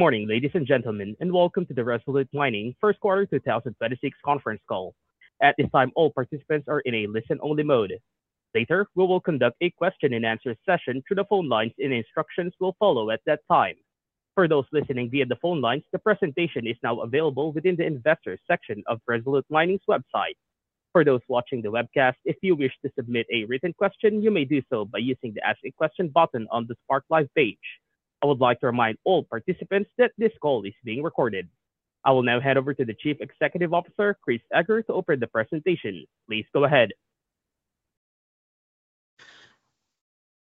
Good morning, ladies and gentlemen, and welcome to the Resolute Mining first quarter 2026 conference call. At this time, all participants are in a listen-only mode. Later, we will conduct a question-and-answer session through the phone lines, and instructions will follow at that time. For those listening via the phone lines, the presentation is now available within the Investors section of Resolute Mining's website. For those watching the webcast, if you wish to submit a written question, you may do so by using the 'Ask a Question' button on the Spark Live page. I would like to remind all participants that this call is being recorded. I will now hand over to the Chief Executive Officer, Chris Eger, to open the presentation. Please go ahead.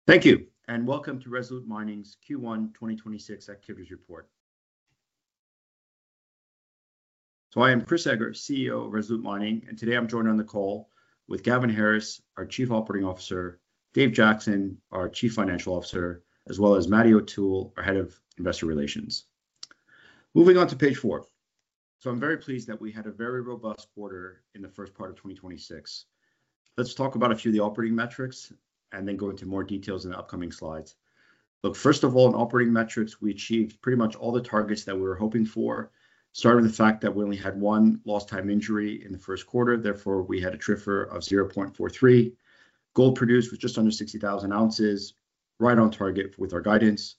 Thank you, and welcome to Resolute Mining's Q1 2026 activities report. I am Chris Eger, CEO of Resolute Mining, and today I'm joined on the call with Gavin Harris, our Chief Operating Officer, Dave Jackson, our Chief Financial Officer, as well as Matthias O'Toole, our Head of Investor Relations. Moving on to page four. I'm very pleased that we had a very robust quarter in the first part of 2026. Let's talk about a few of the operating metrics and then go into more details in the upcoming slides. Look, first of all, in operating metrics, we achieved pretty much all the targets that we were hoping for. Starting with the fact that we only had one lost time injury in the first quarter, therefore, we had a TRIFR of 0.43. Gold produced was just under 60,000 ounces, right on target with our guidance.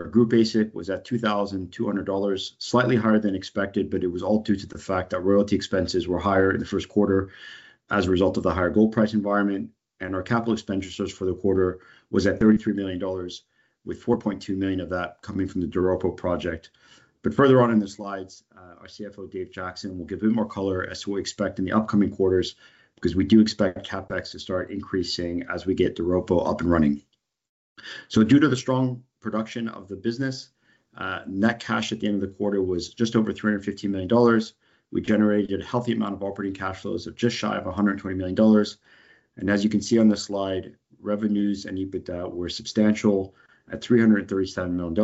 Our group AISC was at $2,200, slightly higher than expected, but it was all due to the fact that royalty expenses were higher in the first quarter as a result of the higher gold price environment. Our capital expenditures for the quarter was at $33 million, with $4.2 million of that coming from the Doropo project. Further on in the slides, our CFO, Dave Jackson, will give a bit more color as to what we expect in the upcoming quarters, because we do expect CapEx to start increasing as we get Doropo up and running. Due to the strong production of the business, net cash at the end of the quarter was just over $315 million. We generated a healthy amount of operating cash flows of just shy of $120 million. As you can see on this slide, revenues and EBITDA were substantial at $337 million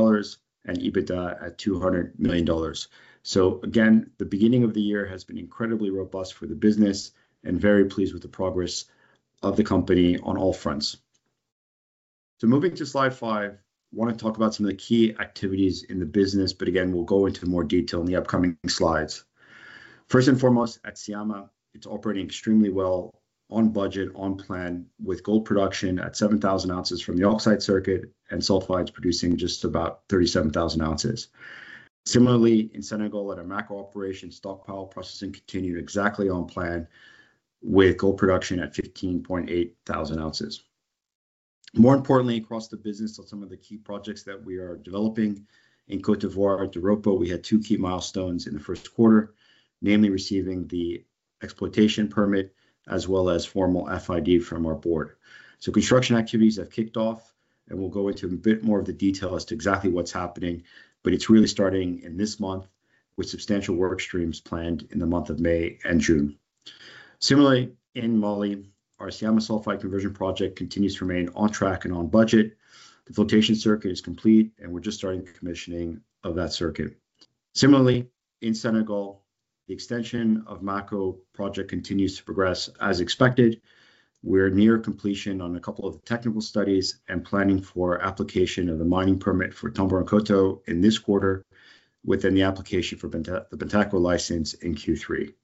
and EBITDA at $200 million. Again, the beginning of the year has been incredibly robust for the business and we're very pleased with the progress of the company on all fronts. Moving to slide five, I want to talk about some of the key activities in the business, but again, we'll go into more detail in the upcoming slides. First and foremost, at Syama, it's operating extremely well, on budget, on plan, with gold production at 7,000 ounces from the oxide circuit, and sulphides producing just about 37,000 ounces. Similarly, in Senegal at our Mako operation, stockpile processing continued exactly on plan with gold production at 15,800 ounces. More importantly, across the business on some of the key projects that we are developing. In Côte d'Ivoire, Doropo, we had two key milestones in the first quarter, namely receiving the exploitation permit as well as formal FID from our board. Construction activities have kicked off, and we'll go into a bit more of the detail as to exactly what's happening. It's really starting in this month with substantial work streams planned in the month of May and June. Similarly, in Mali, our Syama Sulphide Conversion Project continues to remain on track and on budget. The flotation circuit is complete, and we're just starting commissioning of that circuit. Similarly, in Senegal, the extension of Mako project continues to progress as expected. We're near completion on a couple of technical studies and planning for application of the mining permit for Tomboronkoto in this quarter within the application for the Bantaco license in Q3.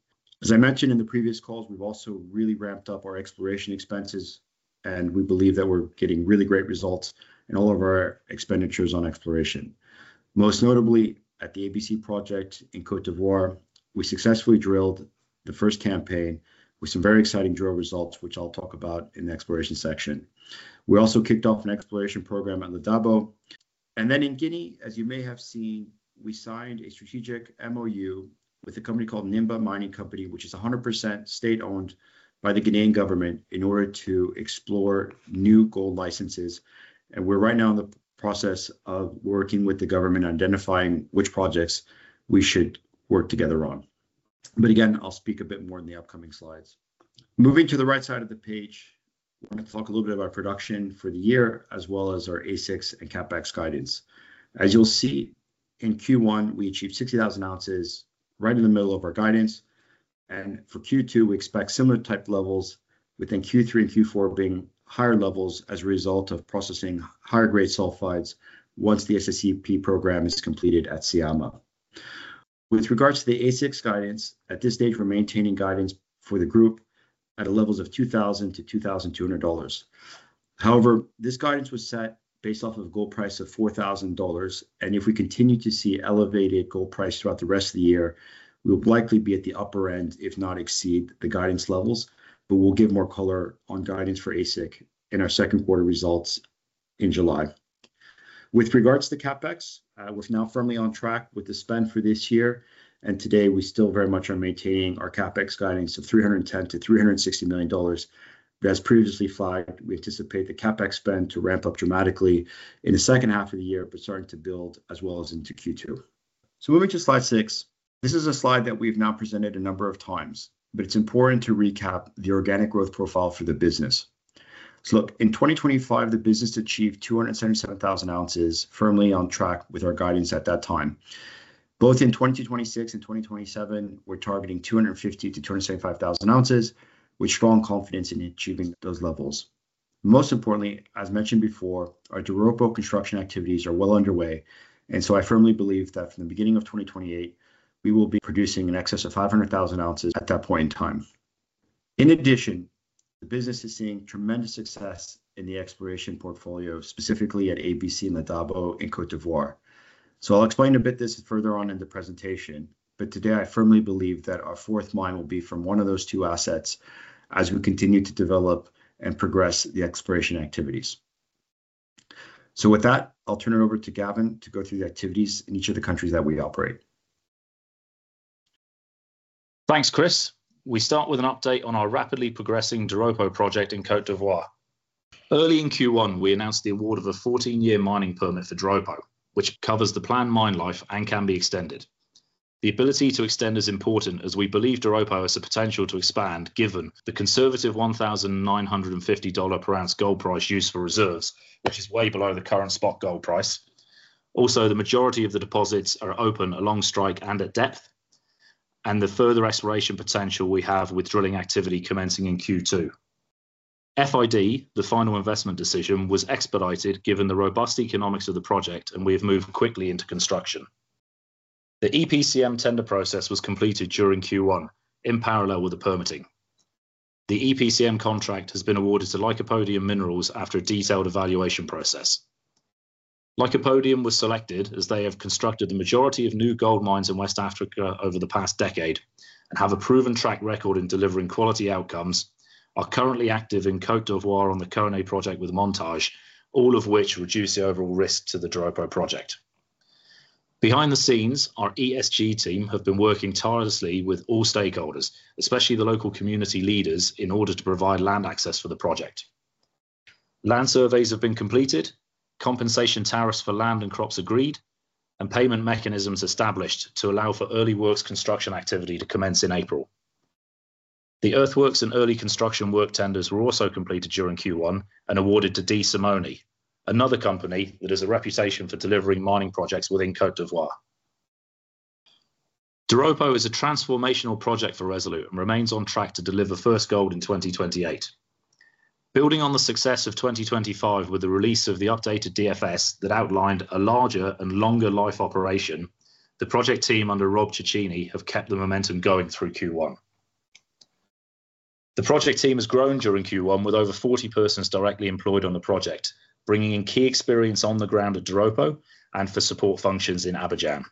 As I mentioned in the previous calls, we've also really ramped up our exploration expenses, and we believe that we're getting really great results in all of our expenditures on exploration. Most notably at the Doropo project in Côte d'Ivoire, we successfully drilled the first campaign with some very exciting drill results, which I'll talk about in the exploration section. We also kicked off an exploration program at La Debo. In Guinea, as you may have seen, we signed a strategic MoU with a company called Nimba Mining Company, which is 100% state-owned by the Guinean government in order to explore new gold licenses. We're right now in the process of working with the government, identifying which projects we should work together on. Again, I'll speak a bit more in the upcoming slides. Moving to the right side of the page, we're going to talk a little bit about production for the year as well as our AISC and CapEx guidance. As you'll see, in Q1, we achieved 60,000 ounces right in the middle of our guidance. For Q2, we expect similar type levels within Q3 and Q4 being higher levels as a result of processing higher grade sulphides once the SSCP program is completed at Syama. With regards to the AISC guidance, at this stage, we're maintaining guidance for the group at the levels of $2,000-$2,200. However, this guidance was set based off of gold price of $4,000, and if we continue to see elevated gold price throughout the rest of the year, we'll likely be at the upper end, if not exceed the guidance levels. We'll give more color on guidance for AISC in our second quarter results in July. With regard to CapEx, we're now firmly on track with the spend for this year. Today, we still very much are maintaining our CapEx guidance of $310-$360 million. As previously flagged, we anticipate the CapEx spend to ramp up dramatically in the second half of the year, but starting to build as well as into Q2. Moving to slide six. This is a slide that we've now presented a number of times, but it's important to recap the organic growth profile for the business. Look, in 2025, the business achieved 277,000 ounces firmly on track with our guidance at that time. Both in 2026 and 2027, we're targeting 250,000-275,000 ounces, with strong confidence in achieving those levels. Most importantly, as mentioned before, our Doropo construction activities are well underway, and so I firmly believe that from the beginning of 2028, we will be producing in excess of 500,000 ounces at that point in time. In addition, the business is seeing tremendous success in the exploration portfolio, specifically at La Debo in Côte d'Ivoire. I'll explain this a bit further on in the presentation. Today, I firmly believe that our fourth mine will be from one of those two assets as we continue to develop and progress the exploration activities. With that, I'll turn it over to Gavin to go through the activities in each of the countries that we operate. Thanks, Chris. We start with an update on our rapidly progressing Doropo project in Côte d'Ivoire. Early in Q1, we announced the award of a 14-year mining permit for Doropo, which covers the planned mine life and can be extended. The ability to extend is important, as we believe Doropo has the potential to expand, given the conservative $1,950 per ounce gold price used for reserves, which is way below the current spot gold price. Also, the majority of the deposits are open along strike and at depth, and the further exploration potential we have with drilling activity commencing in Q2. FID, the final investment decision, was expedited given the robust economics of the project, and we have moved quickly into construction. The EPCM tender process was completed during Q1 in parallel with the permitting. The EPCM contract has been awarded to Lycopodium Minerals after a detailed evaluation process. Lycopodium was selected as they have constructed the majority of new gold mines in West Africa over the past decade and have a proven track record in delivering quality outcomes, are currently active in Côte d'Ivoire on the Koné project with Montage, all of which reduce the overall risk to the Doropo project. Behind the scenes, our ESG team have been working tirelessly with all stakeholders, especially the local community leaders, in order to provide land access for the project. Land surveys have been completed, compensation tariffs for land and crops agreed, and payment mechanisms established to allow for early works construction activity to commence in April. The earthworks and early construction work tenders were also completed during Q1 and awarded to De Simone, another company that has a reputation for delivering mining projects within Côte d'Ivoire. Doropo is a transformational project for Resolute and remains on track to deliver first gold in 2028. Building on the success of 2025 with the release of the updated DFS that outlined a larger and longer life operation, the project team under Rob Cicchini have kept the momentum going through Q1. The project team has grown during Q1 with over 40 persons directly employed on the project, bringing in key experience on the ground at Doropo and for support functions in Abidjan.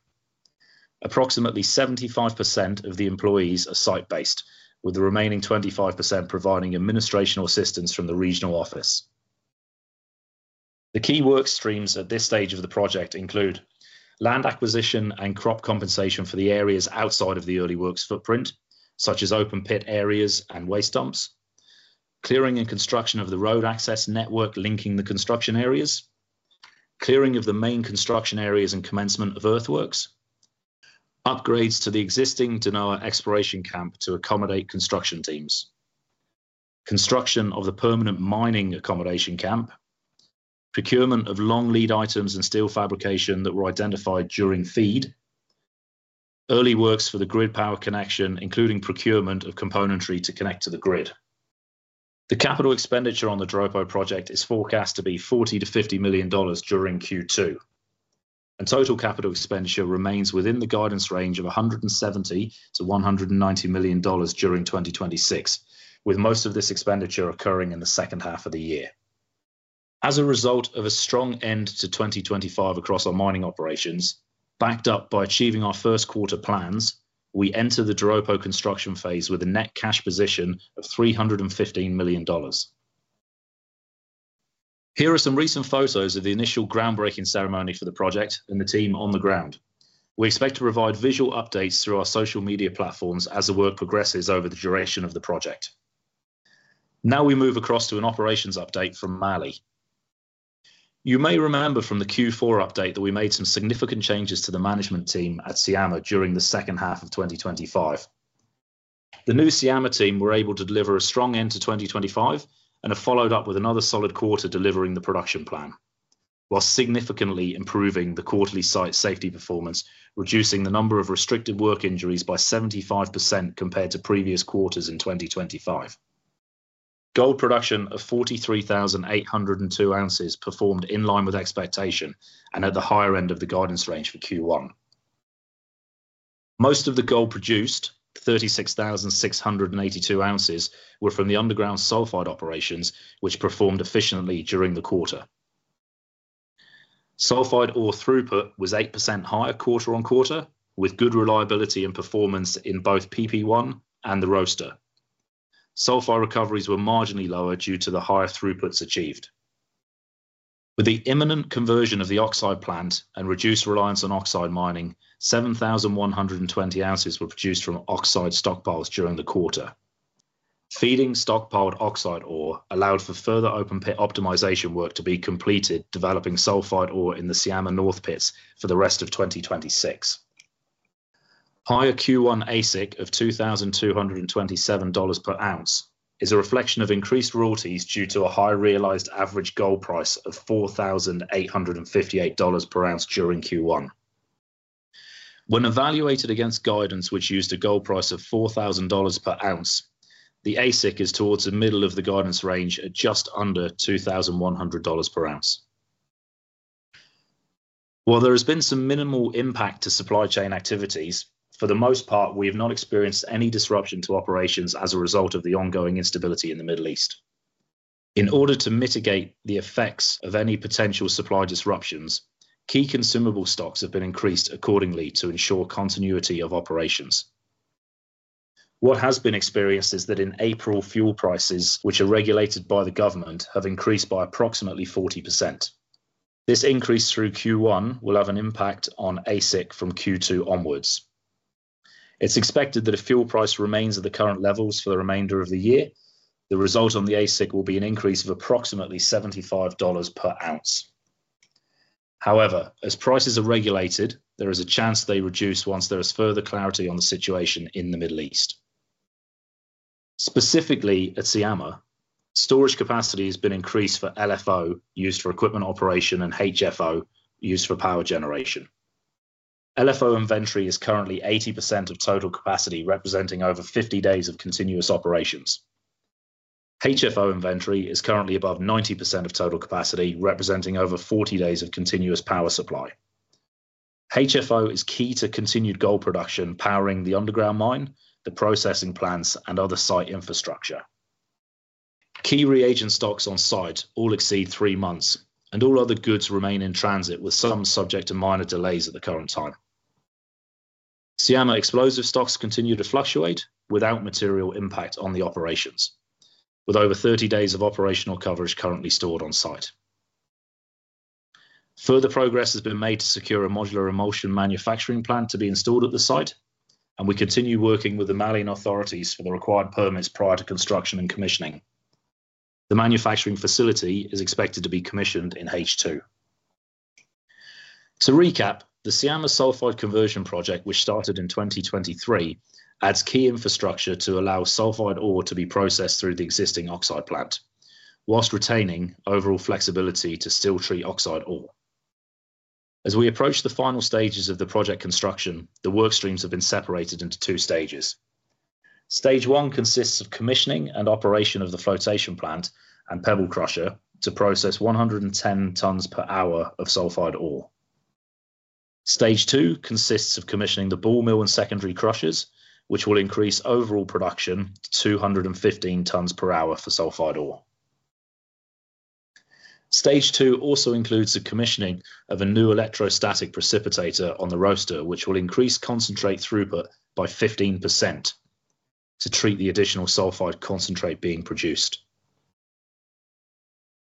Approximately 75% of the employees are site-based, with the remaining 25% providing administrative assistance from the regional office. The key work streams at this stage of the project include land acquisition and crop compensation for the areas outside of the early works footprint, such as open pit areas and waste dumps, clearing and construction of the road access network linking the construction areas, clearing of the main construction areas, and commencement of earthworks, upgrades to the existing Denoa exploration camp to accommodate construction teams, construction of the permanent mining accommodation camp, procurement of long lead items and steel fabrication that were identified during feed, early works for the grid power connection, including procurement of componentry to connect to the grid. The capital expenditure on the Doropo project is forecast to be $40-$50 million during Q2. Total capital expenditure remains within the guidance range of $170-$190 million during 2026, with most of this expenditure occurring in the second half of the year. As a result of a strong end to 2025 across our mining operations, backed up by achieving our first quarter plans, we enter the Doropo construction phase with a net cash position of $315 million. Here are some recent photos of the initial groundbreaking ceremony for the project and the team on the ground. We expect to provide visual updates through our social media platforms as the work progresses over the duration of the project. Now we move across to an operations update from Mali. You may remember from the Q4 update that we made some significant changes to the management team at Syama during the second half of 2025. The new Syama team were able to deliver a strong end to 2025 and have followed up with another solid quarter delivering the production plan while significantly improving the quarterly site safety performance, reducing the number of restricted work injuries by 75% compared to previous quarters in 2025. Gold production of 43,802 ounces performed in line with expectation and at the higher end of the guidance range for Q1. Most of the gold produced, 36,682 ounces, were from the underground sulphide operations, which performed efficiently during the quarter. Sulphide ore throughput was 8% higher quarter-over-quarter, with good reliability and performance in both PP1 and the roaster. Sulphide recoveries were marginally lower due to the higher throughputs achieved. With the imminent conversion of the oxide plant and reduced reliance on oxide mining, 7,120 ounces were produced from oxide stockpiles during the quarter. Feeding stockpiled oxide ore allowed for further open pit optimization work to be completed, developing sulphide ore in the Syama North pits for the rest of 2026. Higher Q1 AISC of $2,227 per ounce is a reflection of increased royalties due to a high realized average gold price of $4,858 per ounce during Q1. When evaluated against guidance, which used a gold price of $4,000 per ounce, the AISC is towards the middle of the guidance range at just under $2,100 per ounce. While there has been some minimal impact to supply chain activities, for the most part, we have not experienced any disruption to operations as a result of the ongoing instability in the Middle East. In order to mitigate the effects of any potential supply disruptions, key consumable stocks have been increased accordingly to ensure continuity of operations. What has been experienced is that in April, fuel prices, which are regulated by the government, have increased by approximately 40%. This increase through Q1 will have an impact on AISC from Q2 onwards. It's expected that if fuel price remains at the current levels for the remainder of the year, the result on the AISC will be an increase of approximately $75 per ounce. However, as prices are regulated, there is a chance they reduce once there is further clarity on the situation in the Middle East. Specifically at Syama, storage capacity has been increased for LFO, used for equipment operation, and HFO, used for power generation. LFO inventory is currently 80% of total capacity, representing over 50 days of continuous operations. HFO inventory is currently above 90% of total capacity, representing over 40 days of continuous power supply. HFO is key to continued gold production, powering the underground mine, the processing plants, and other site infrastructure. Key reagent stocks on site all exceed three months, and all other goods remain in transit, with some subject to minor delays at the current time. Syama explosive stocks continue to fluctuate without material impact on the operations, with over 30 days of operational coverage currently stored on site. Further progress has been made to secure a modular emulsion manufacturing plant to be installed at the site, and we continue working with the Malian authorities for the required permits prior to construction and commissioning. The manufacturing facility is expected to be commissioned in H2. To recap, the Syama Sulphide Conversion Project, which started in 2023, adds key infrastructure to allow sulphide ore to be processed through the existing oxide plant while retaining overall flexibility to still treat oxide ore. As we approach the final stages of the project construction, the work streams have been separated into two stages. Stage one consists of commissioning and operation of the flotation plant and pebble crusher to process 110 tons per hour of sulphide ore. Stage two consists of commissioning the ball mill and secondary crushers, which will increase overall production to 215 tons per hour for sulphide ore. Stage two also includes the commissioning of a new electrostatic precipitator on the roaster, which will increase concentrate throughput by 15% to treat the additional sulphide concentrate being produced.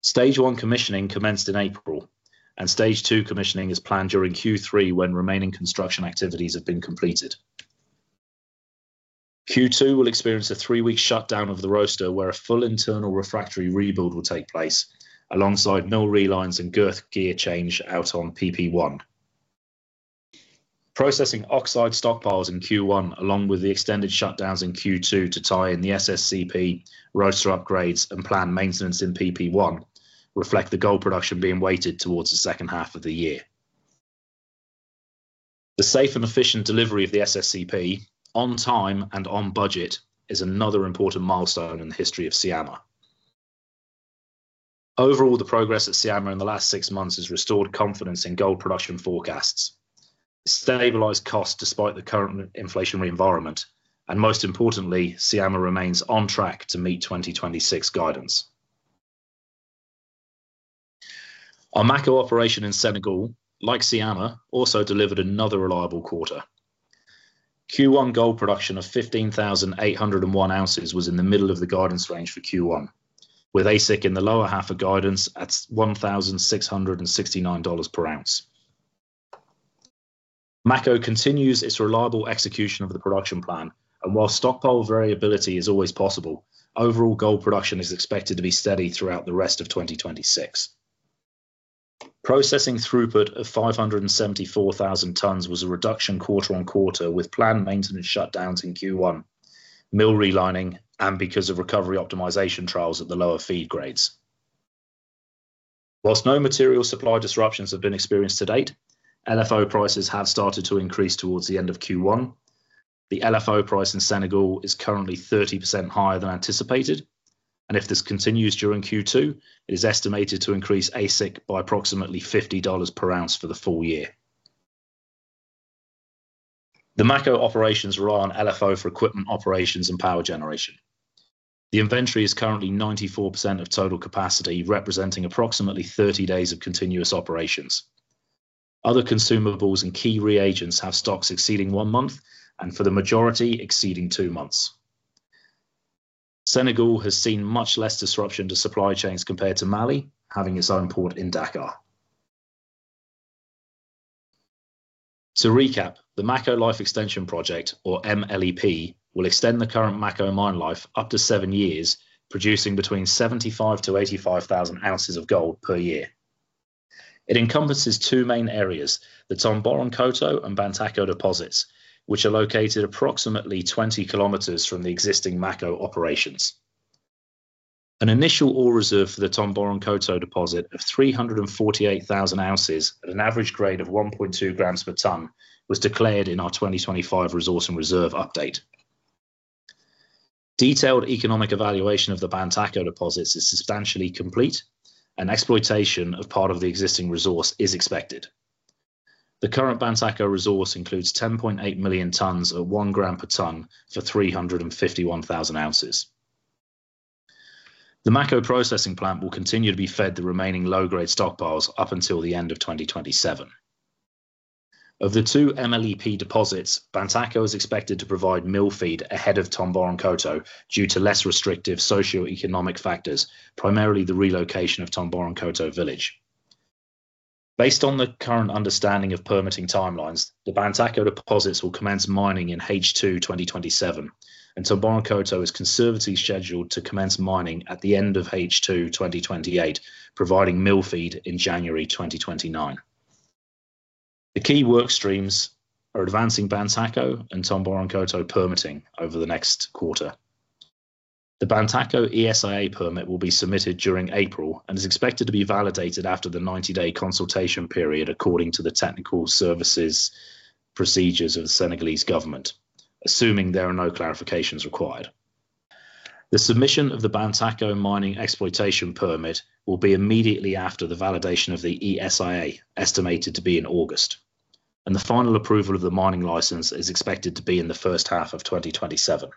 Stage one commissioning commenced in April, and stage two commissioning is planned during Q3 when remaining construction activities have been completed. Q2 will experience a three-week shutdown of the roaster where a full internal refractory rebuild will take place, alongside mill relines and girth gear change out on PP1. Processing oxide stockpiles in Q1, along with the extended shutdowns in Q2 to tie in the SSCP, roaster upgrades, and planned maintenance in PP1 reflect the gold production being weighted towards the second half of the year. The safe and efficient delivery of the SSCP on time and on budget is another important milestone in the history of Syama. Overall, the progress at Syama in the last six months has restored confidence in gold production forecasts, stabilized costs despite the current inflationary environment, and most importantly, Syama remains on track to meet 2026 guidance. Our Mako operation in Senegal, like Syama, also delivered another reliable quarter. Q1 gold production of 15,801 ounces was in the middle of the guidance range for Q1, with AISC in the lower half of guidance at $1,669 per ounce. Mako continues its reliable execution of the production plan, and while stockpile variability is always possible, overall gold production is expected to be steady throughout the rest of 2026. Processing throughput of 574,000 tons was a reduction quarter-over-quarter, with planned maintenance shutdowns in Q1, mill relining, and because of recovery optimization trials at the lower feed grades. While no material supply disruptions have been experienced to date, LFO prices have started to increase towards the end of Q1. The LFO price in Senegal is currently 30% higher than anticipated, and if this continues during Q2, it is estimated to increase AISC by approximately $50 per ounce for the full year. The Mako operations rely on LFO for equipment operations and power generation. The inventory is currently 94% of total capacity, representing approximately 30 days of continuous operations. Other consumables and key reagents have stocks exceeding one month, and for the majority, exceeding two months. Senegal has seen much less disruption to supply chains compared to Mali, having its own port in Dakar. To recap, the Mako Life Extension Project, or MLEP, will extend the current Mako mine life up to seven years, producing between 75,000-85,000 ounces of gold per year. It encompasses two main areas, the Tomboronkoto and Bantaco deposits, which are located approximately 20 km from the existing Mako operations. An initial ore reserve for the Tomboronkoto deposit of 348,000 ounces at an average grade of 1.2 grams per ton was declared in our 2025 resource and reserve update. Detailed economic evaluation of the Bantaco deposits is substantially complete, and exploitation of part of the existing resource is expected. The current Bantaco resource includes 10.8 million tons at 1 gram per ton for 351,000 ounces. The Mako processing plant will continue to be fed the remaining low-grade stockpiles up until the end of 2027. Of the two MLEP deposits, Bantaco is expected to provide mill feed ahead of Tomboronkoto due to less restrictive socioeconomic factors, primarily the relocation of Tomboronkoto village. Based on the current understanding of permitting timelines, the Bantaco deposits will commence mining in H2 2027, and Tomboronkoto is conservatively scheduled to commence mining at the end of H2 2028, providing mill feed in January 2029. The key workstreams are advancing Bantaco and Tomboronkoto permitting over the next quarter. The Bantaco ESIA permit will be submitted during April and is expected to be validated after the 90-day consultation period according to the technical services procedures of the Senegalese government, assuming there are no clarifications required. The submission of the Bantaco mining exploitation permit will be immediately after the validation of the ESIA, estimated to be in August, and the final approval of the mining license is expected to be in the first half of 2027.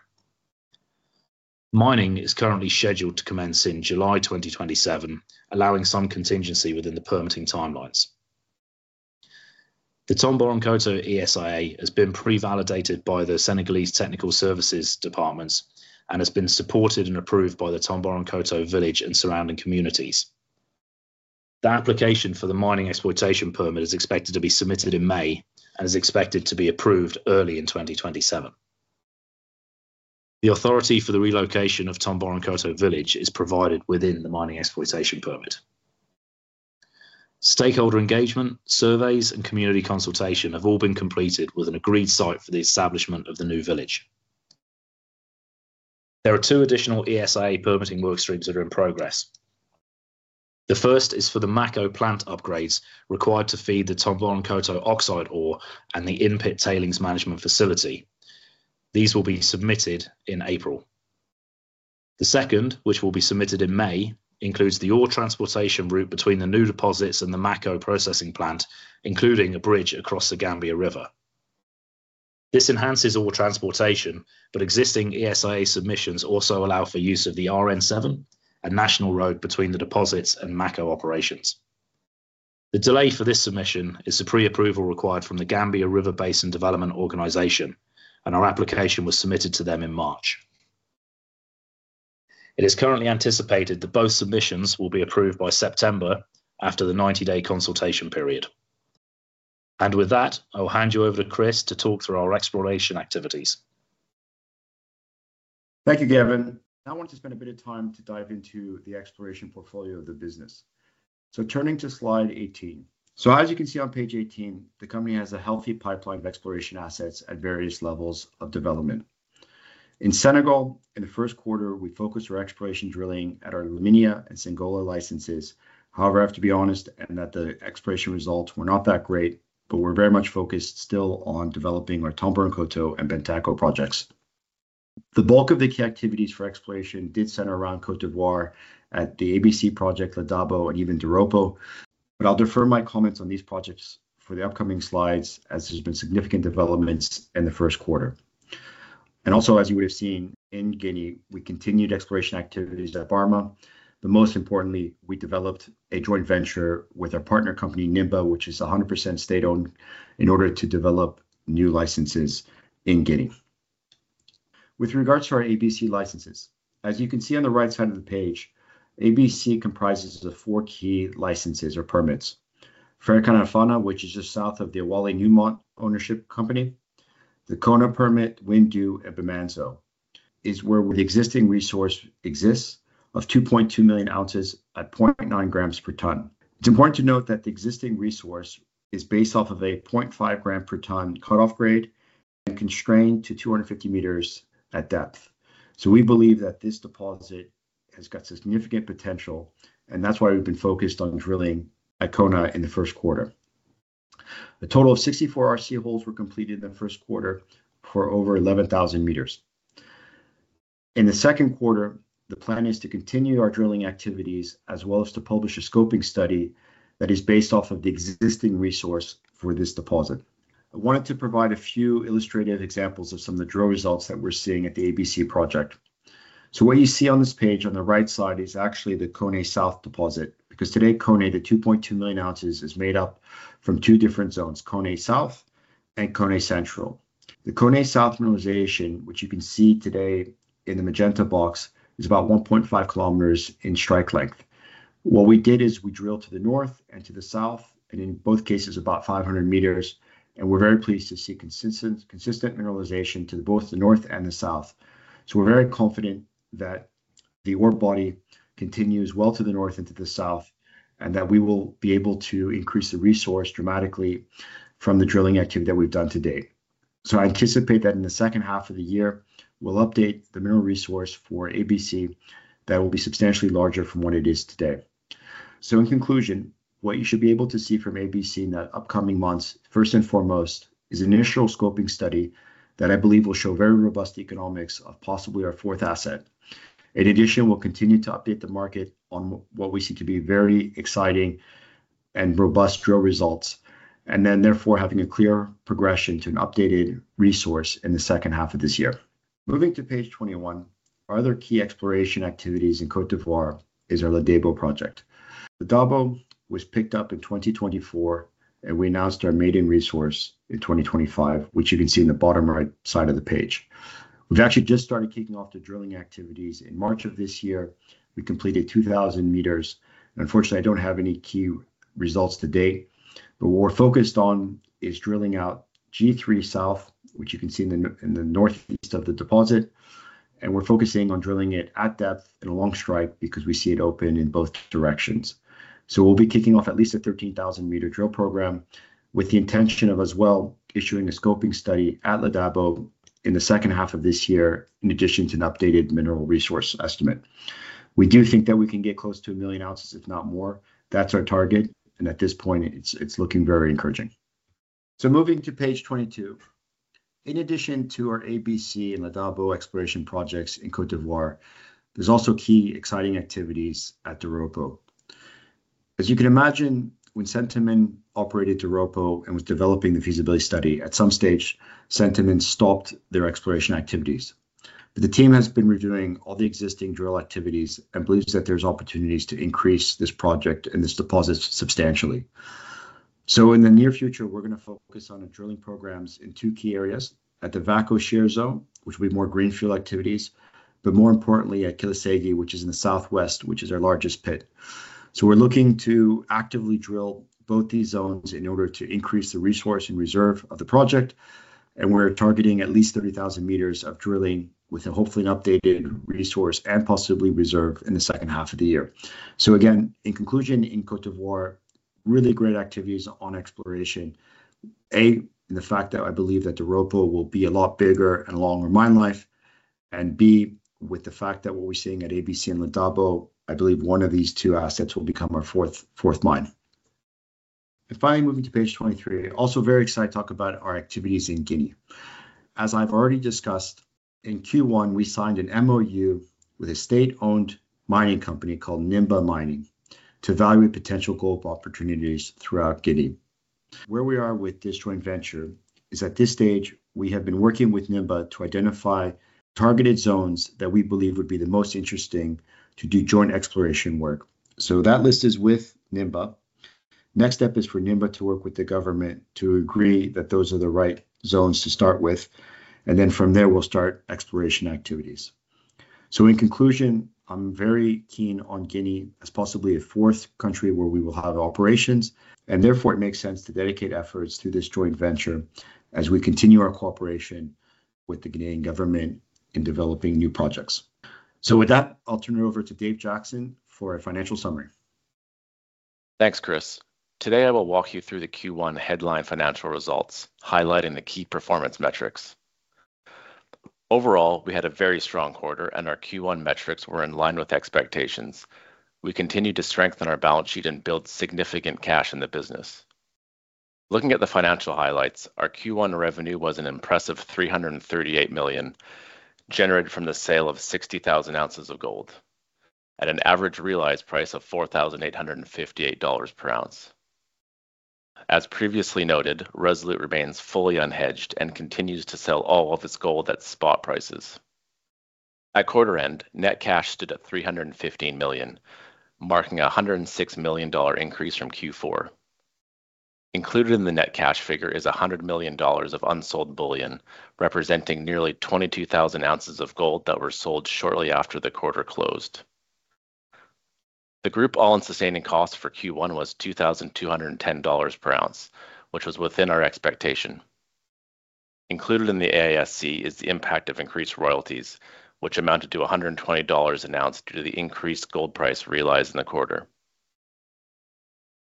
Mining is currently scheduled to commence in July 2027, allowing some contingency within the permitting timelines. The Tomboronkoto ESIA has been pre-validated by the Senegalese technical services departments and has been supported and approved by the Tomboronkoto village and surrounding communities. The application for the mining exploitation permit is expected to be submitted in May and is expected to be approved early in 2027. The authority for the relocation of Tomboronkoto village is provided within the mining exploitation permit. Stakeholder engagement, surveys, and community consultation have all been completed with an agreed site for the establishment of the new village. There are two additional ESIA permitting workstreams that are in progress. The first is for the Mako plant upgrades required to feed the Tomboronkoto oxide ore and the in-pit tailings management facility. These will be submitted in April. The second, which will be submitted in May, includes the ore transportation route between the new deposits and the Mako processing plant, including a bridge across the Gambia River. This enhances ore transportation, but existing ESIA submissions also allow for use of the RN7, a national road between the deposits and Mako operations. The delay for this submission is the preapproval required from the Gambia River Basin Development Organization, and our application was submitted to them in March. It is currently anticipated that both submissions will be approved by September after the 90-day consultation period. With that, I'll hand you over to Chris to talk through our exploration activities. Thank you, Gavin. Now I want to spend a bit of time to dive into the exploration portfolio of the business. Turning to slide 18. As you can see on page 18, the company has a healthy pipeline of exploration assets at various levels of development. In Senegal, in the first quarter, we focused our exploration drilling at our Laminia and Sangola licenses. However, I have to be honest in that the exploration results were not that great, but we're very much focused still on developing our Tomboronkoto and Bantaco projects. The bulk of the key activities for exploration did center around Côte d'Ivoire at the ABC project, La Debo, and even Doropo. I'll defer my comments on these projects for the upcoming slides, as there's been significant developments in the first quarter. As you would have seen in Guinea, we continued exploration activities at Barma. Most importantly, we developed a joint venture with our partner company, Nimba, which is 100% state-owned, in order to develop new licenses in Guinea. With regards to our ABC licenses, as you can see on the right side of the page, ABC comprises of four key licenses or permits. Ferkessédougou, which is just south of the Ahafo Newmont ownership company, the Koné permit, Windou, and Bamanzo, is where the existing resource exists of 2.2 million ounces at 0.9 grams per ton. It is important to note that the existing resource is based off of a 0.5 gram per ton cut-off grade and constrained to 250 meters at depth. We believe that this deposit has got significant potential, and that is why we have been focused on drilling at Koné in the first quarter. A total of 64 RC holes were completed in the first quarter for over 11,000 meters. In the second quarter, the plan is to continue our drilling activities as well as to publish a scoping study that is based off of the existing resource for this deposit. I wanted to provide a few illustrated examples of some of the drill results that we're seeing at the ABC project. What you see on this page on the right side is actually the Koné South deposit, because today, Koné, the 2.2 million ounces, is made up from two different zones, Koné South and Koné Central. The Koné South mineralization, which you can see today in the magenta box, is about 1.5 km in strike length. What we did is we drilled to the north and to the south, and in both cases about 500 meters, and we're very pleased to see consistent mineralization to both the north and the south. We're very confident that the ore body continues well to the north into the south, and that we will be able to increase the resource dramatically from the drilling activity that we've done to date. I anticipate that in the second half of the year, we'll update the mineral resource for ABC that will be substantially larger from what it is today. In conclusion, what you should be able to see from ABC in the upcoming months, first and foremost, is initial scoping study that I believe will show very robust economics of possibly our fourth asset. In addition, we'll continue to update the market on what we see to be very exciting and robust drill results, and then therefore having a clear progression to an updated resource in the second half of this year. Moving to page 21, our other key exploration activities in Côte d'Ivoire is our La Debo project. La Debo was picked up in 2024, and we announced our maiden resource in 2025, which you can see in the bottom right side of the page. We've actually just started kicking off the drilling activities. In March of this year, we completed 2,000 meters. Unfortunately, I don't have any key results to date, but what we're focused on is drilling out G3 South, which you can see in the northeast of the deposit, and we're focusing on drilling it at depth and along strike because we see it open in both directions. We'll be kicking off at least a 13,000-meter drill program with the intention of as well issuing a scoping study at La Debo in the second half of this year, in addition to an updated mineral resource estimate. We do think that we can get close to 1 million ounces, if not more. That's our target, and at this point, it's looking very encouraging. Moving to page 22. In addition to our ABC and La Debo exploration projects in Côte d'Ivoire, there's also key exciting activities at Doropo. As you can imagine, when Centamin operated Doropo and was developing the feasibility study, at some stage, Centamin stopped their exploration activities. The team has been redoing all the existing drill activities and believes that there's opportunities to increase this project and this deposit substantially. In the near future, we're going to focus on drilling programs in two key areas: at the Vako Shear Zone, which will be more greenfield activities, but more importantly, at Kilesegi, which is in the southwest, which is our largest pit. We're looking to actively drill both these zones in order to increase the resource and reserve of the project, and we're targeting at least 30,000 meters of drilling with hopefully an updated resource and possibly reserve in the second half of the year. Again, in conclusion, in Côte d'Ivoire, really great activities on exploration. A, in the fact that I believe that Doropo will be a lot bigger and longer mine life, and B, with the fact that what we're seeing at ABC and La Debo, I believe one of these two assets will become our fourth mine. Finally, moving to page 23, also very excited to talk about our activities in Guinea. As I've already discussed, in Q1, we signed an MoU with a state-owned mining company called Nimba Mining to evaluate potential gold opportunities throughout Guinea. Where we are with this joint venture is at this stage, we have been working with Nimba to identify targeted zones that we believe would be the most interesting to do joint exploration work. That list is with Nimba. Next step is for Nimba to work with the government to agree that those are the right zones to start with, and then from there, we'll start exploration activities. In conclusion, I'm very keen on Guinea as possibly a fourth country where we will have operations, and therefore it makes sense to dedicate efforts to this joint venture as we continue our cooperation with the Guinean government in developing new projects. With that, I'll turn it over to Dave Jackson for a financial summary. Thanks, Chris. Today, I will walk you through the Q1 headline financial results, highlighting the key performance metrics. Overall, we had a very strong quarter, and our Q1 metrics were in line with expectations. We continued to strengthen our balance sheet and build significant cash in the business. Looking at the financial highlights, our Q1 revenue was an impressive $338 million, generated from the sale of 60,000 ounces of gold at an average realized price of $4,858 per ounce. As previously noted, Resolute remains fully unhedged and continues to sell all of its gold at spot prices. At quarter end, net cash stood at $315 million, marking a $106 million increase from Q4. Included in the net cash figure is $100 million of unsold bullion, representing nearly 22,000 ounces of gold that were sold shortly after the quarter closed. The group all-in sustaining costs for Q1 was $2,210 per ounce, which was within our expectation. Included in the AISC is the impact of increased royalties, which amounted to $120 an ounce due to the increased gold price realized in the quarter.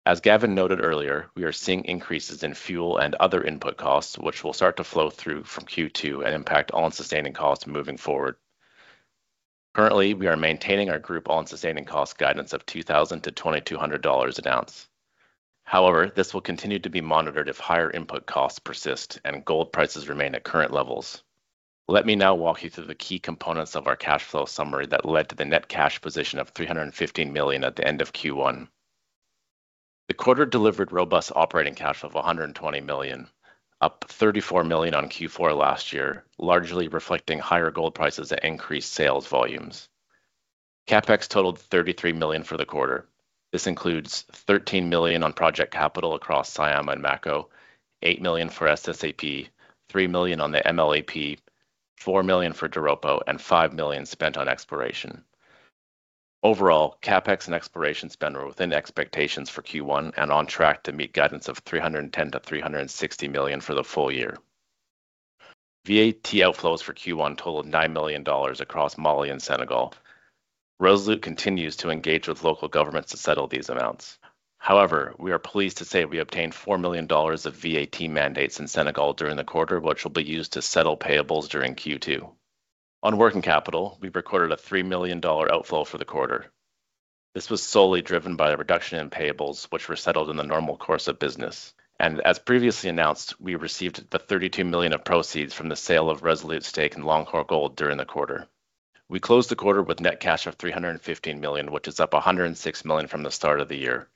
As Gavin noted earlier, we are seeing increases in fuel and other input costs, which will start to flow through from Q2 and impact all-in sustaining costs moving forward. Currently, we are maintaining our group all-in sustaining cost guidance of $2,000-$2,200 an ounce. However, this will continue to be monitored if higher input costs persist and gold prices remain at current levels. Let me now walk you through the key components of our cash flow summary that led to the net cash position of $315 million at the end of Q1. The quarter delivered robust operating cash flow of $120 million, up $34 million on Q4 last year, largely reflecting higher gold prices and increased sales volumes. CapEx totaled $33 million for the quarter. This includes $13 million on project capital across Syama and Mako, $8 million for SSCP, $3 million on the MLEP, $4 million for Doropo, and $5 million spent on exploration. Overall, CapEx and exploration spend were within expectations for Q1 and on track to meet guidance of $310 million-$360 million for the full year. VAT outflows for Q1 totaled $9 million across Mali and Senegal. Resolute continues to engage with local governments to settle these amounts. However, we are pleased to say we obtained $4 million of VAT mandates in Senegal during the quarter, which will be used to settle payables during Q2. On working capital, we've recorded a $3 million outflow for the quarter. This was solely driven by a reduction in payables, which were settled in the normal course of business. As previously announced, we received $32 million of proceeds from the sale of Resolute's stake in Loncor Gold during the quarter. We closed the quarter with net cash of $315 million, which is up $106 million from the start of the year.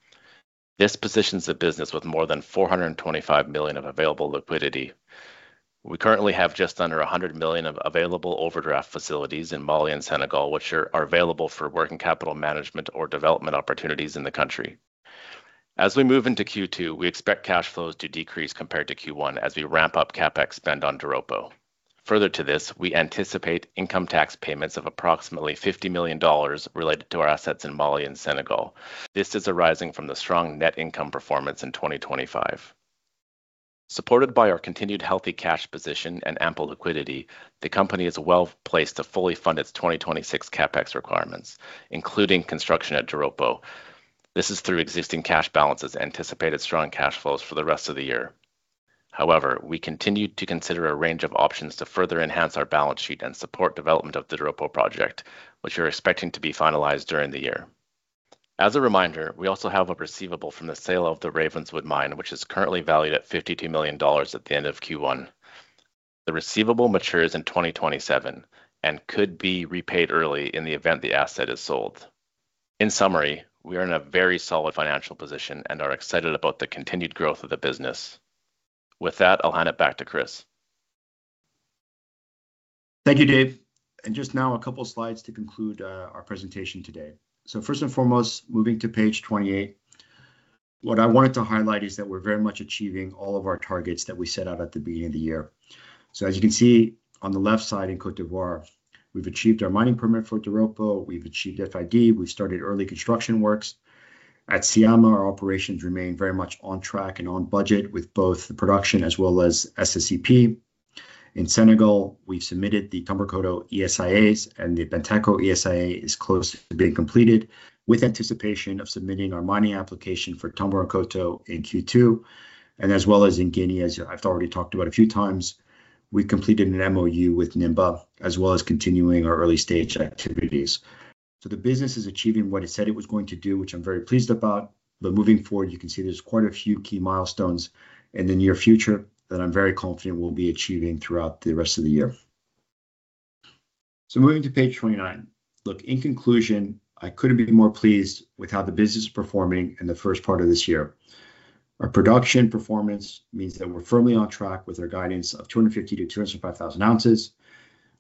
This positions the business with more than $425 million of available liquidity. We currently have just under $100 million of available overdraft facilities in Mali and Senegal, which are available for working capital management or development opportunities in the country. As we move into Q2, we expect cash flows to decrease compared to Q1 as we ramp up CapEx spend on Doropo. Further to this, we anticipate income tax payments of approximately $50 million related to our assets in Mali and Senegal. This is arising from the strong net income performance in 2025. Supported by our continued healthy cash position and ample liquidity, the company is well-placed to fully fund its 2026 CapEx requirements, including construction at Doropo. This is through existing cash balances, anticipated strong cash flows for the rest of the year. However, we continue to consider a range of options to further enhance our balance sheet and support development of the Doropo project, which we're expecting to be finalized during the year. As a reminder, we also have a receivable from the sale of the Ravenswood mine, which is currently valued at $52 million at the end of Q1. The receivable matures in 2027 and could be repaid early in the event the asset is sold. In summary, we are in a very solid financial position and are excited about the continued growth of the business. With that, I'll hand it back to Chris. Thank you, Dave. Just now, a couple slides to conclude our presentation today. First and foremost, moving to page 28, what I wanted to highlight is that we're very much achieving all of our targets that we set out at the beginning of the year. As you can see on the left side, in Côte d'Ivoire, we've achieved our mining permit for Doropo. We've achieved FID. We've started early construction works. At Syama, our operations remain very much on track and on budget with both the production as well as SSCP. In Senegal, we've submitted the Tomboronkoto ESIA, and the Bantaco ESIA is close to being completed with anticipation of submitting our mining application for Tomboronkoto in Q2, and as well as in Guinea, as I've already talked about a few times, we completed an MoU with Nimba, as well as continuing our early-stage activities. The business is achieving what it said it was going to do, which I'm very pleased about. Moving forward, you can see there's quite a few key milestones in the near future that I'm very confident we'll be achieving throughout the rest of the year. Moving to page 29. Look, in conclusion, I couldn't be more pleased with how the business is performing in the first part of this year. Our production performance means that we're firmly on track with our guidance of 250,000-270,000 ounces.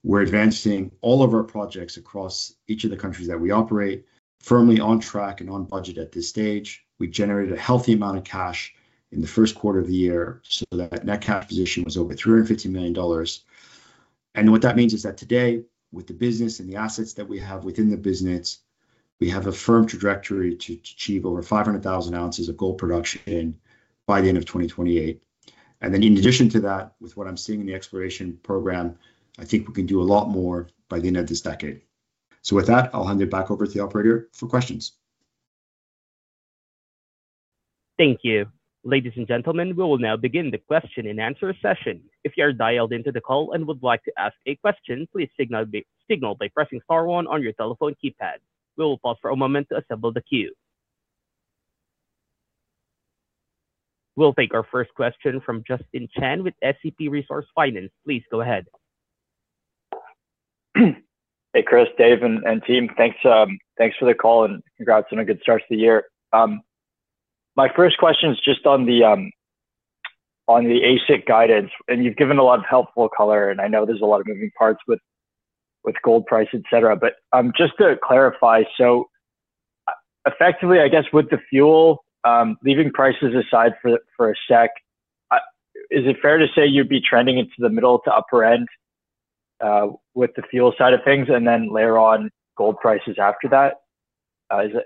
We're advancing all of our projects across each of the countries that we operate, firmly on track and on budget at this stage. We generated a healthy amount of cash in the first quarter of the year, so that net cash position was over $315 million. What that means is that today, with the business and the assets that we have within the business, we have a firm trajectory to achieve over 500,000 ounces of gold production by the end of 2028. Then in addition to that with what I'm seeing in the exploration program, I think we can do a lot more by the end of this decade. With that, I'll hand it back over to the operator for questions. Thank you. Ladies and gentlemen, we will now begin the question and answer session. If you are dialed into the call and would like to ask a question, please signal by pressing star one on your telephone keypad. We will pause for a moment to assemble the queue. We'll take our first question from Justin Chan with SCP Resource Finance. Please go ahead. Hey, Chris, Dave, and team. Thanks for the call and congrats on a good start to the year. My first question is just on the AISC guidance, and you've given a lot of helpful color, and I know there's a lot of moving parts with gold price, et cetera. Just to clarify, so effectively, I guess with the fuel, leaving prices aside for a sec, is it fair to say you'd be trending into the middle to upper end with the fuel side of things and then layer on gold prices after that?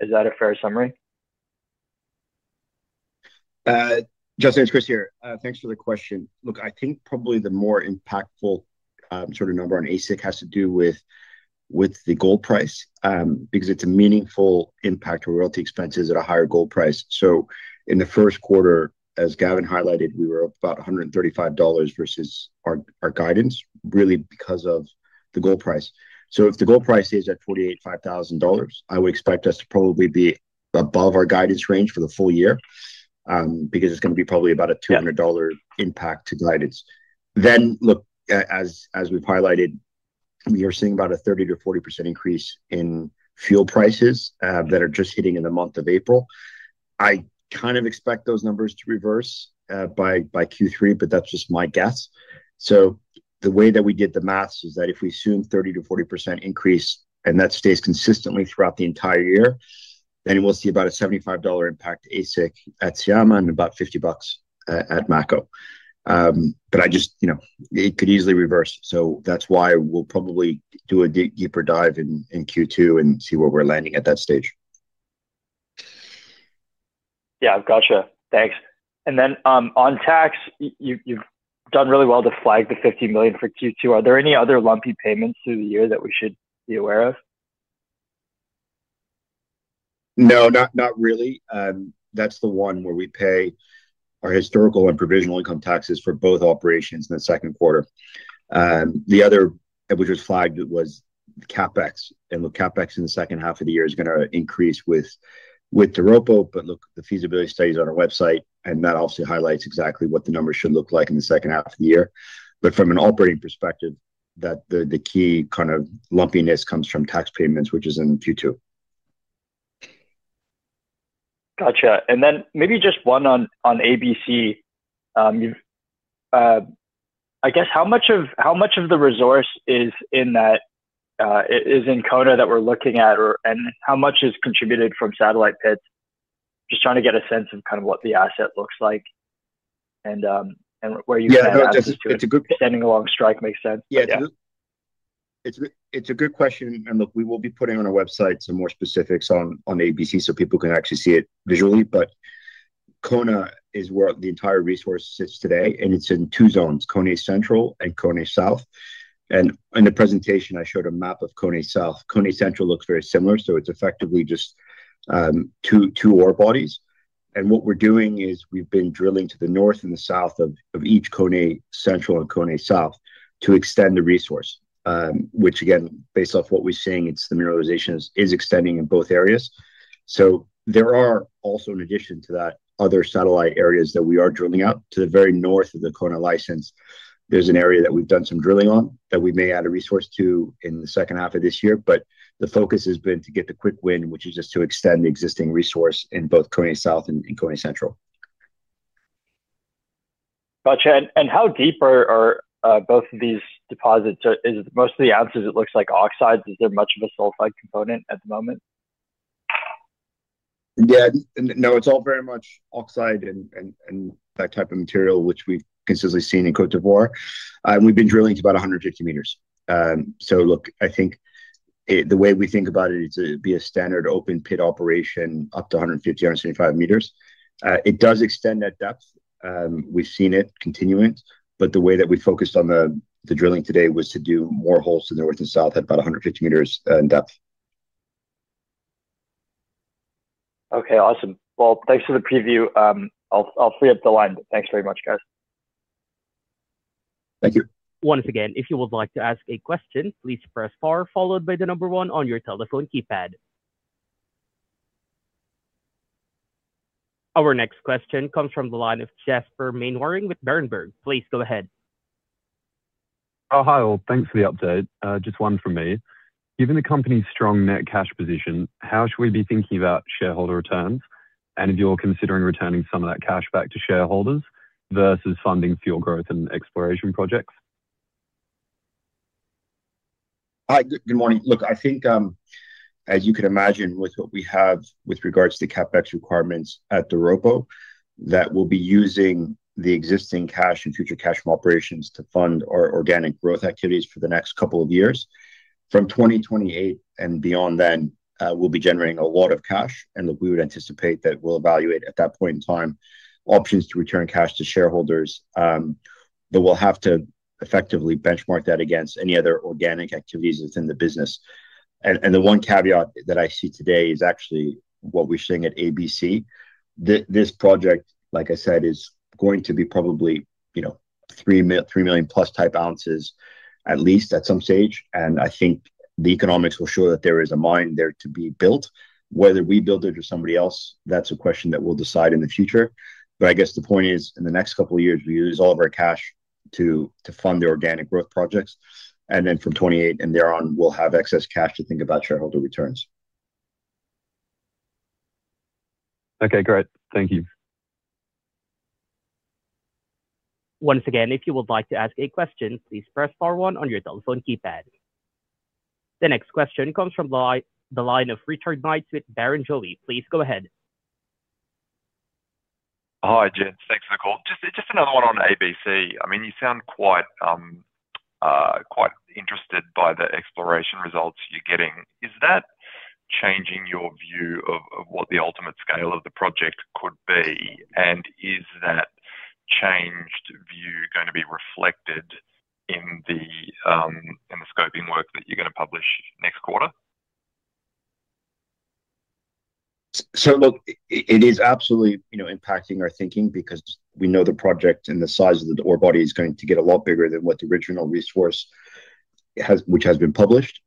Is that a fair summary? Justin, it's Chris here. Thanks for the question. Look, I think probably the more impactful sort of number on AISC has to do with the gold price, because it's a meaningful impact to royalty expenses at a higher gold price. In the first quarter, as Gavin highlighted, we were up about $135 versus our guidance, really because of the gold price. If the gold price is at $48,500, I would expect us to probably be above our guidance range for the full year, because it's going to be probably about a $200 impact to guidance. Look, as we've highlighted, we are seeing about a 30%-40% increase in fuel prices that are just hitting in the month of April. I kind of expect those numbers to reverse by Q3, but that's just my guess. The way that we did the math is that if we assume 30%-40% increase and that stays consistently throughout the entire year, then we'll see about a $75 impact to AISC at Syama and about $50 at Mako. But it could easily reverse, so that's why we'll probably do a deeper dive in Q2 and see where we're landing at that stage. Yeah, gotcha. Thanks. On tax, you've done really well to flag the $50 million for Q2. Are there any other lumpy payments through the year that we should be aware of? No, not really. That's the one where we pay our historical and provisional income taxes for both operations in the second quarter. The other that we just flagged was CapEx. Look, CapEx in the second half of the year is going to increase with Doropo. Look, the feasibility study's on our website, and that also highlights exactly what the numbers should look like in the second half of the year. From an operating perspective, the key kind of lumpiness comes from tax payments, which is in Q2. Got you. Maybe just one on ABC. I guess, how much of the resource is in Koné that we're looking at, and how much is contributed from satellite pits? Just trying to get a sense of kind of what the asset looks like and where you- Yeah. No, it's a good. Extending along strike makes sense. Yeah. It's a good question, and look, we will be putting on our website some more specifics on ABC so people can actually see it visually. Koné is where the entire resource sits today, and it's in two zones, Koné Central and Koné South. In the presentation, I showed a map of Koné South. Koné Central looks very similar, so it's effectively just two ore bodies. What we're doing is we've been drilling to the north and the south of each Koné Central and Koné South to extend the resource, which again, based off what we're seeing, the mineralization is extending in both areas. There are also, in addition to that, other satellite areas that we are drilling out. To the very north of the Koné license, there's an area that we've done some drilling on that we may add a resource to in the second half of this year. The focus has been to get the quick win, which is just to extend the existing resource in both Koné South and Koné Central. Got you. How deep are both of these deposits? Most of the ounces it looks like oxides. Is there much of a sulphide component at the moment? Yeah. No, it's all very much oxide and that type of material, which we've consistently seen in Côte d'Ivoire. We've been drilling to about 150 meters. Look, I think the way we think about it is it'd be a standard open pit operation up to 150, 175 meters. It does extend that depth. We've seen it continuing, but the way that we focused on the drilling today was to do more holes to the north and south at about 150 meters in depth. Okay, awesome. Well, thanks for the preview. I'll free up the line. Thanks very much, guys. Thank you. Once again, if you would like to ask a question, please press star followed by the number one on your telephone keypad. Our next question comes from the line of Jasper Mainwaring with Berenberg. Please go ahead. Oh, Hi all. Thanks for the update. Just one from me. Given the company's strong net cash position, how should we be thinking about shareholder returns? If you're considering returning some of that cash back to shareholders versus funding future growth and exploration projects? Hi, good morning. Look, I think as you can imagine with what we have with regards to CapEx requirements at Doropo, that we'll be using the existing cash and future cash from operations to fund our organic growth activities for the next couple of years. From 2028 and beyond then, we'll be generating a lot of cash, and look, we would anticipate that we'll evaluate at that point in time options to return cash to shareholders, but we'll have to effectively benchmark that against any other organic activities within the business. The one caveat that I see today is actually what we're seeing at ABC. This project, like I said, is going to be probably 3 million+ type ounces, at least at some stage. I think the economics will show that there is a mine there to be built. Whether we build it or somebody else, that's a question that we'll decide in the future. I guess the point is, in the next couple of years, we use all of our cash to fund the organic growth projects, and then from 2028 and thereon, we'll have excess cash to think about shareholder returns. Okay, great. Thank you. Once again, if you would like to ask a question, please press star one on your telephone keypad. The next question comes from the line of Richard Knights with Barrenjoey. Please go ahead. Hi, gents. Thanks for the call. Just another one on ABC. You sound quite interested by the exploration results you're getting. Is that changing your view of what the ultimate scale of the project could be? Is that changed view going to be reflected in the scoping work that you're going to publish next quarter? Look, it is absolutely impacting our thinking because we know the project and the size of the ore body is going to get a lot bigger than what the original resource, which has been published.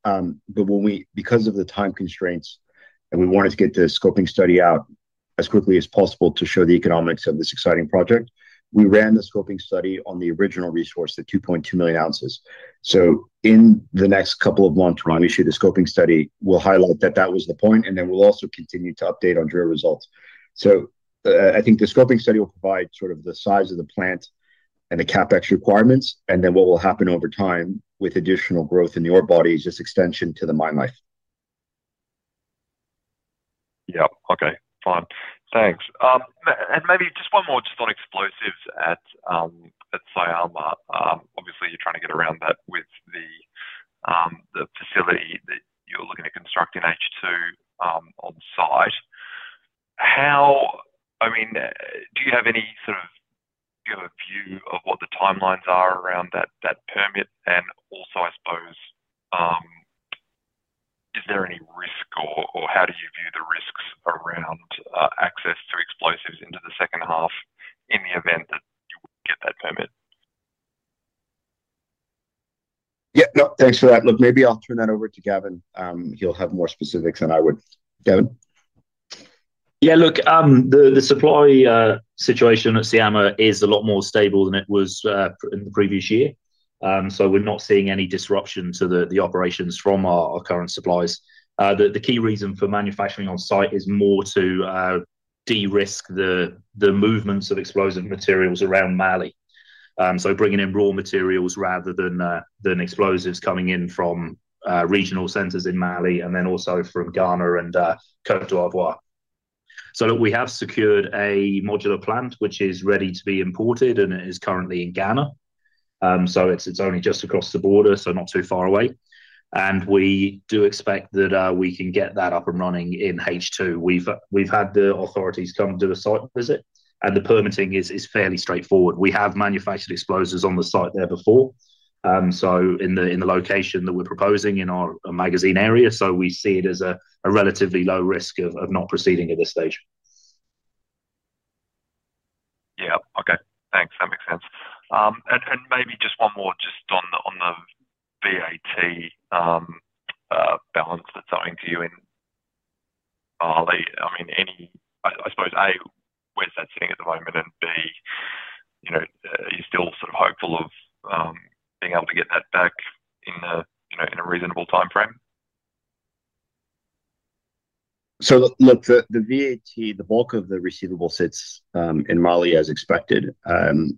Because of the time constraints and we wanted to get the scoping study out as quickly as possible to show the economics of this exciting project, we ran the scoping study on the original resource, the 2.2 million ounces. In the next couple of months, when we issue the scoping study, we'll highlight that that was the point, and then we'll also continue to update on drill results. I think the scoping study will provide sort of the size of the plant and the CapEx requirements, and then what will happen over time with additional growth in the ore body is just extension to the mine life. Yeah. Okay, fine. Thanks. Maybe just one more on explosives at Syama. Obviously, you're trying to get around that with The facility that you're looking to construct in H2 on-site. Do you have a view of what the timelines are around that permit? Also, I suppose, is there any risk, or how do you view the risks around access to explosives into the second half in the event that you wouldn't get that permit? Yeah. No, thanks for that. Look, maybe I'll turn that over to Gavin. He'll have more specifics than I would. Gavin? Look, the supply situation at Syama is a lot more stable than it was in the previous year. We're not seeing any disruption to the operations from our current suppliers. The key reason for manufacturing on-site is more to de-risk the movements of explosive materials around Mali, bringing in raw materials rather than explosives coming in from regional centers in Mali and then also from Ghana and Côte d'Ivoire. Look, we have secured a modular plant, which is ready to be imported, and it is currently in Ghana. It's only just across the border, so not too far away. We do expect that we can get that up and running in H2. We've had the authorities come and do a site visit, and the permitting is fairly straightforward. We have manufactured explosives on the site there before, so in the location that we're proposing in our magazine area, so we see it as a relatively low risk of not proceeding at this stage. Yeah. Okay, thanks. That makes sense. Maybe just one more just on the VAT balance that's owing to you in Mali. I suppose, A, where's that sitting at the moment, and B, are you still sort of hopeful of being able to get that back in a reasonable timeframe? Look, the VAT, the bulk of the receivable sits in Mali as expected.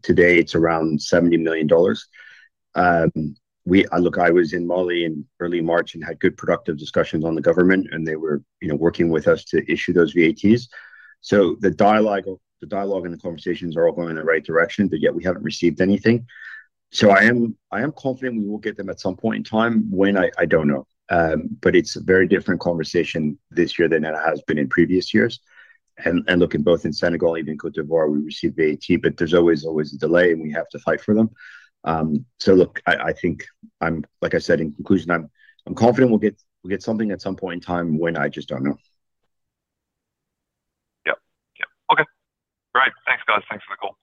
Today it's around $70 million. Look, I was in Mali in early March and had good, productive discussions with the government, and they were working with us to issue those VATs. The dialogue and the conversations are all going in the right direction, but yet we haven't received anything. I am confident we will get them at some point in time. When, I don't know. It's a very different conversation this year than it has been in previous years. Look, in both Senegal, even Côte d'Ivoire, we received VAT, but there's always a delay, and we have to fight for them. Look, I think, like I said, in conclusion, I'm confident we'll get something at some point in time. When, I just don't know. Yep. Okay. All right. Thanks, guys. Thanks for the call.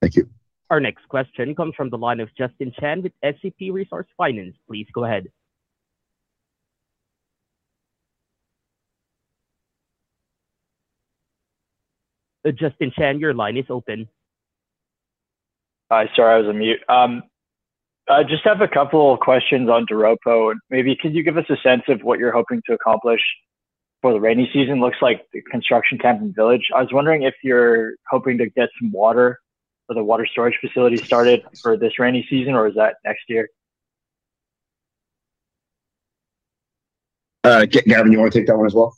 Thank you. Our next question comes from the line of Justin Chan with SCP Resource Finance. Please go ahead. Justin Chan, your line is open. Hi. Sorry, I was on mute. I just have a couple of questions on Doropo, and maybe could you give us a sense of what you're hoping to accomplish for the rainy season? It looks like the construction camp and village. I was wondering if you're hoping to get some water or the water storage facility started for this rainy season, or is that next year? Gavin, you want to take that one as well?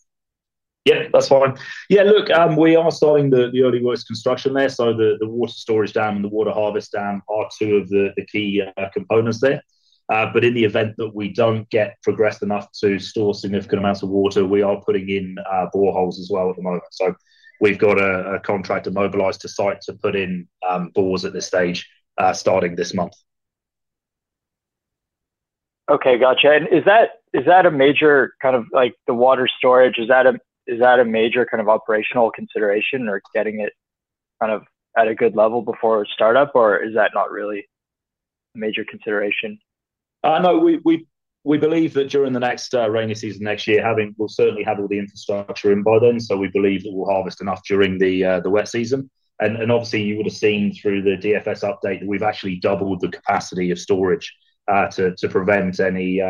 Yeah, that's fine. Yeah, look, we are starting the early works construction there. The water storage dam and the water harvest dam are two of the key components there. In the event that we don't get progress enough to store significant amounts of water, we are putting in boreholes as well at the moment. We've got a contractor mobilized to site to put in bores at this stage, starting this month. Okay. Got you. Is that a major kind of like the water storage, is that a major kind of operational consideration or getting it kind of at a good level before startup, or is that not really a major consideration? No. We believe that during the next rainy season next year, we'll certainly have all the infrastructure in by then, so we believe that we'll harvest enough during the wet season. Obviously, you would've seen through the DFS update that we've actually doubled the capacity of storage, to prevent any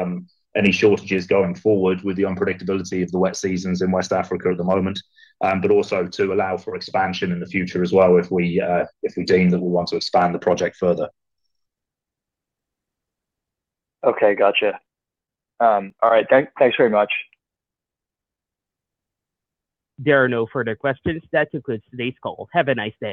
shortages going forward with the unpredictability of the wet seasons in West Africa at the moment. Also to allow for expansion in the future as well, if we deem that we want to expand the project further. Okay, got you. All right. Thanks very much. There are no further questions. That concludes today's call. Have a nice day.